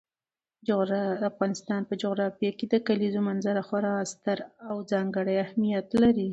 د افغانستان په جغرافیه کې د کلیزو منظره خورا ستر او ځانګړی اهمیت لري.